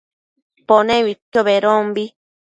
Pone uidquio bedombi